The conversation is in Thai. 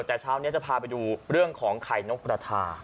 ม่ั๋อเอ่อแต่ชาวเนี้ยจะพาไปดูเรื่องของไข่นกกระทา